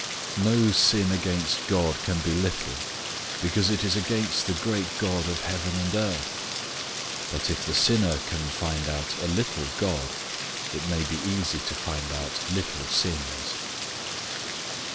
No sin against God can be little, because it is against the great God of heaven and earth; but if the sinner can find out a little God, it may be easy to find out little sins.